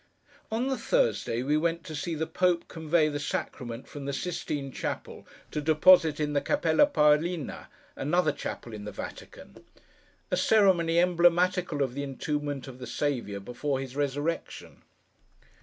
On the Thursday, we went to see the Pope convey the Sacrament from the Sistine chapel, to deposit it in the Capella Paolina, another chapel in the Vatican;—a ceremony emblematical of the entombment of the Saviour before His Resurrection.